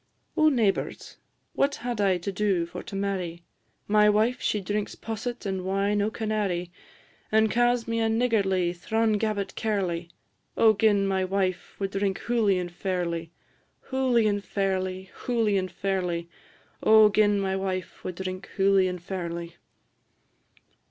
Oh, neighbours! what had I to do for to marry? My wife she drinks posset and wine o' Canary; And ca's me a niggardly, thrawn gabbit cairly. O gin my wife wad drink hooly and fairly! Hooly and fairly, hooly and fairly; O gin my wife wad drink hooly and fairly!